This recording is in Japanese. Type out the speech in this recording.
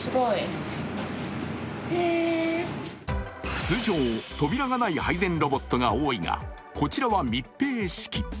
通常、扉がない配膳ロボットが多いがこちらは密閉式。